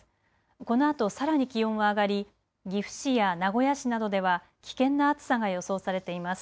このあとさらに気温は上がり岐阜市や名古屋市などでは危険な暑さが予想されています。